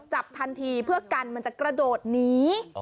จับทันทีเพื่อกันมันจะกระโดดหนี